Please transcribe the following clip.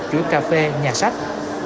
chuỗi cà phê nhà sách